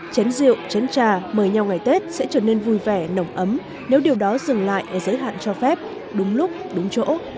chén rượu chén trà mời nhau ngày tết sẽ trở nên vui vẻ nồng ấm nếu điều đó dừng lại ở giới hạn cho phép đúng lúc đúng chỗ